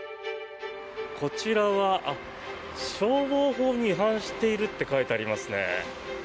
こちらは消防法に違反していると書いてありますね。